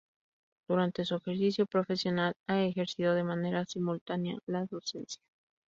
Durante su ejercicio profesional ha ejercido de manera simultánea la docencia.